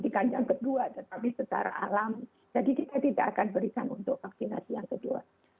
jadi kita tidak akan berikan untuk vaksinasi yang kedua